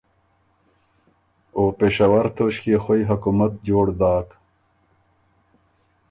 او پېشور توݭکيې خوئ حکومت جوړ داک۔